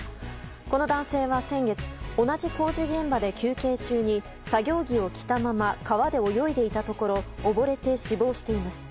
この男性は先月、同じ工事現場で休憩中に作業着を着たまま川で泳いでいたところおぼれて死亡しています。